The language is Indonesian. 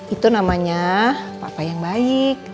itu namanya papa yang baik